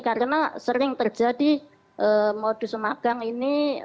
karena sering terjadi modus magang ini